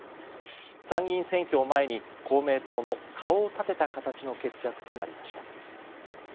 参議院選挙を前に公明党の顔を立てた形の決着となりました。